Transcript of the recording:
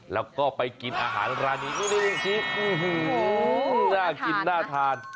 แล้วก็ไปกินอาหารร้านนี้น่ากินน่าทาน